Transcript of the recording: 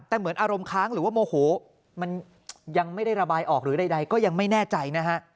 แต่เหมือนอารมณ์ค้างหรือว่าโมโหมันยังไม่ได้ระบายออกหรือใดก็ยังไม่แน่ใจนะฮะ